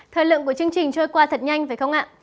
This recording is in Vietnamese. thời lượng của chương trình trôi qua thật nhanh phải không ạ